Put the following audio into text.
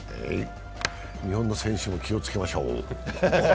日本の選手も気をつけましょう。